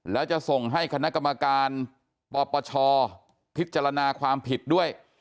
แล้วจะส่งให้คณะกรรมการปปชพิจารณาความผิดด้วย